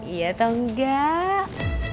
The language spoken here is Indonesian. iya atau enggak